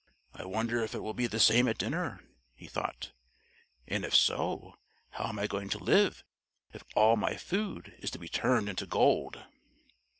"I wonder if it will be the same at dinner," he thought, "and if so, how am I going to live if all my food is to be turned into gold?"